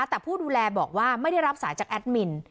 แต่ผู้ดูแลบอกว่าไม่ได้รับสายจากแอดมิน